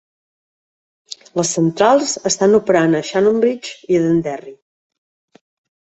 Les centrals estan operant a Shannonbridge i Edenderry.